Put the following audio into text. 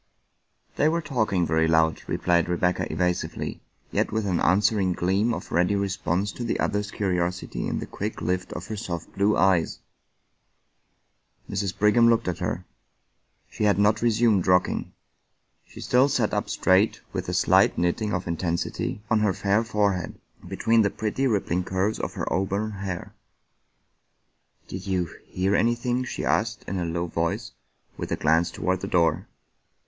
" They were talking very loud," replied Rebecca evasivelv, yet with an answering gleam of ready response to the other's curiosity in the quick lift of her soft blue eyes. Mrs. Brigham looked at her. She had not resumed rock ing. She still sat up straight with a slight knitting of in 48 Mary E. Wilkin s Freeman tensity on her fair forehead, between the pretty rippUng curves of her auburn hair. "Did you — hear anything?" she asked in a low voice with a glance toward the door.